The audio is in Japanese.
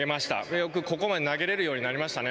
よくここまで投げれるようになりましたね。